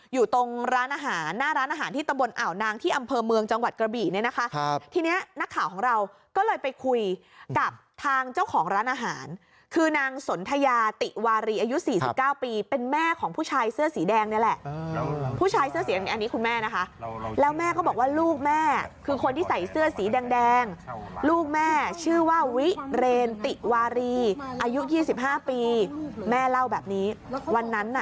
อยู่ตรงร้านอาหารหน้าร้านอาหารที่ตำบลอ่าวนางที่อำเภอเมืองจังหวัดกระบี่เนี่ยนะคะทีนี้นักข่าวของเราก็เลยไปคุยกับทางเจ้าของร้านอาหารคือนางสนทยาติวารีอายุ๔๙ปีเป็นแม่ของผู้ชายเสื้อสีแดงนี่แหละผู้ชายเสื้อเสียงอันนี้คุณแม่นะคะแล้วแม่ก็บอกว่าลูกแม่คือคนที่ใส่เสื้อสีแดงลูกแม่ชื่อว่าวิเรนติวารีอายุ๒๕ปีแม่เล่าแบบนี้วันนั้นน่ะ